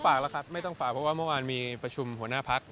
ฝากแล้วครับไม่ต้องฝากเพราะว่าเมื่อวานมีประชุมหัวหน้าพัก